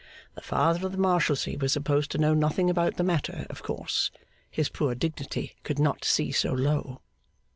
The Father of the Marshalsea was supposed to know nothing about the matter, of course: his poor dignity could not see so low.